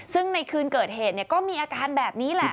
ซึ่งในคืนเกิดเหตุก็มีอาการแบบนี้แหละ